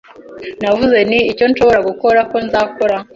Navuze nti: “Icyo nshobora gukora, ko nzakora.”